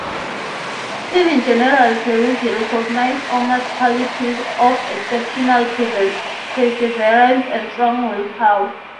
Even General Teruzzi recognized Omar's qualities of exceptional perseverance and strong will power.